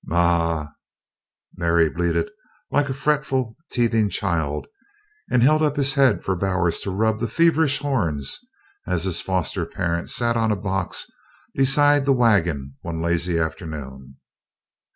"Ma aa aa!" Mary bleated like a fretful teething child, and held up his head for Bowers to rub the feverish horns as his foster parent sat on a box beside the wagon one lazy afternoon.